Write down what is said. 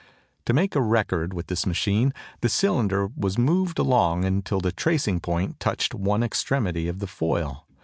To make a record with this machine the cylinder was moved along until the tracing point touched one extremity of the foil.